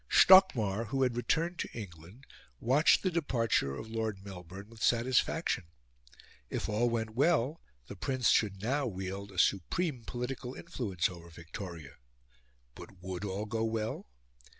Stockmar, who had returned to England, watched the departure of Lord Melbourne with satisfaction. If all went well, the Prince should now wield a supreme political influence over Victoria. But would all go well??